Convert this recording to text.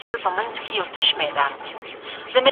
ټیکنالوژي د پوهې په خپرولو کې مرسته کوي.